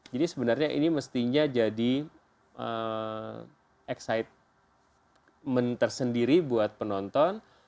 jadi sebenarnya ini mestinya jadi excitement tersendiri buat penonton